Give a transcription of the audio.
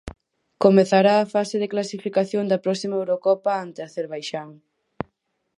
Comezará a fase de clasificación da próxima Eurocopa ante Azerbaixán.